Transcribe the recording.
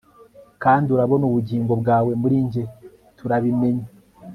kandi urabona ubugingo bwawe muri njye, turabimenye